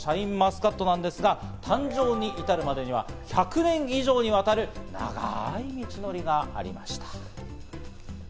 ただ、このシャインマスカットなんですが誕生に至るまでには１００年以上にわたる長い道のりがありました。